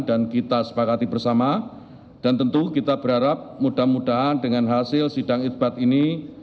dan kita sepakati bersama dan tentu kita berharap mudah mudahan dengan hasil sidang isbat ini